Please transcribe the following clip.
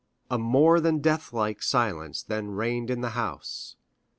A more than deathlike silence then reigned in the house.